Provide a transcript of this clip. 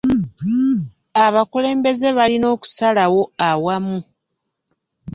Abakulembeze balina okusalawo awamu.